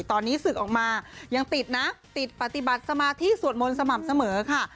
ตอนนี้ศึกออกมายังติดนะติดปฏิบัติสมาธิสวดมนต์สม่ำเสมอค่ะ